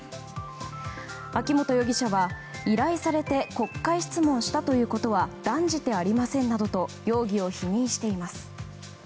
秋本容疑者は依頼されて国会質問したということは断じてありませんなどと容疑を否認しています。